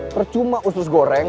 percuma usus goreng